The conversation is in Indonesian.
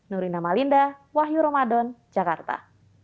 nurina malinda wahyu ramadan jakarta